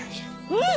うん。